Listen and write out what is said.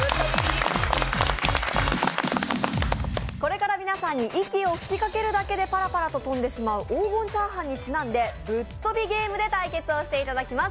これから皆さんに息を吹きかけるだけでパラパラと飛んでしまう黄金チャーハンにちなんでぶっ飛びゲームで対決していただきます。